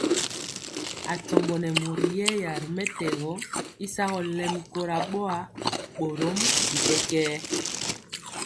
Atombo nɛ mori yɛya ri mɛtɛgɔ y sagɔ lɛmi kora boa, borom bi kɛkɛɛ.